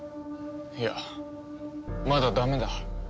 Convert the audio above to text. いやまだダメだ。